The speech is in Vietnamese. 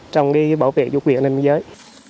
trong cái bảo vệ vũ quyền an ninh biên giới